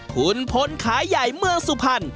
คุณพลขายใหญ่เมืองสุพรรณ